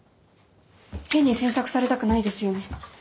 変に詮索されたくないですよね。